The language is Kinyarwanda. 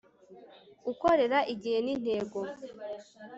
ukorera igihe n intego